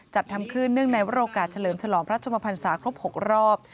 จัดทำขึ้นเนื่องในโอกาสเฉลิมฉลองพระชมพันศาครบ๖รอบ